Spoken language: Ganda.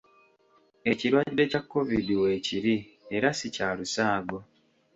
Ekirwadde kya Kovidi weekiri era si kya lusaago.